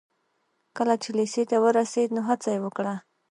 کله چې لېسې ته ورسېد نو هڅه يې وکړه.